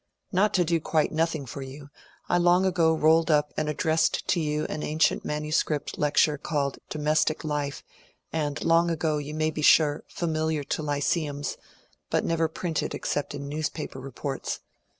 Not to do quite nothing for you, I long ago rolled up and addressed to you an ancient manuscript lecture called ' Domestic life/ and long ago', yon may be sure, familiar to lyceums, but never printed except in newspaper reports.